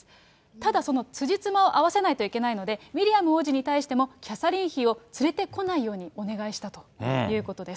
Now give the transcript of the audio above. ただ、そのつじつまを合わせないといけないので、ウィリアム王子に対しても、キャサリン妃を連れてこないようにお願いしたということです。